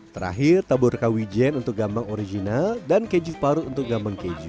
terakhir tabur kawijen untuk gambang original dan keju paru untuk gambang keju